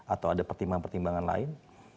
atau ada pertimbangan pertimbangan lain